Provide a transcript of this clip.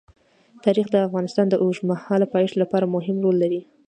تاریخ د افغانستان د اوږدمهاله پایښت لپاره مهم رول لري.